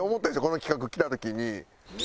この企画来た時に。